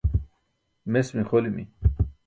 Mes mixolimi.